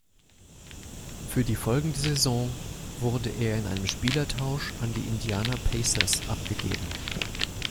Für die folgende Saison wurde er in einem Spielertausch an die Indiana Pacers abgegeben.